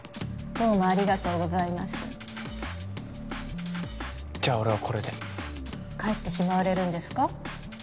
どうもありがとうございますじゃあ俺はこれで帰ってしまわれるんですか？